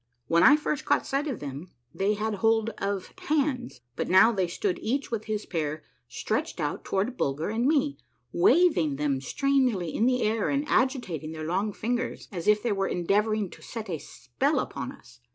When I first caught sight of them they had hold of hands, but now they stood each with his pair stretched out toward Bulger and 92 A A/AEVELLOUS UNDERGROUND JOURNEY me, waving them strangely in the air and agitating their long fingers as if they were endeavoring to set a spell upon us.